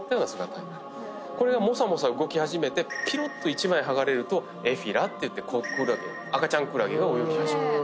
これがもさもさ動き始めてぴろっと１枚剥がれるとエフィラっていって子クラゲ赤ちゃんクラゲが泳ぎ始める。